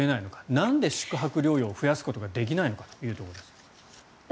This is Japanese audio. なんで宿泊療養を増やすことができないのかというところです。